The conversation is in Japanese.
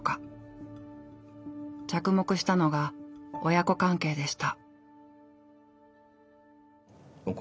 着目したのが親子関係でした。